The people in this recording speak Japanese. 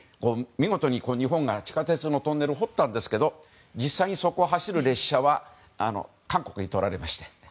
見事に日本が地下鉄のトンネルを掘ったんですけど実際に、そこを走る列車は韓国にとられまして。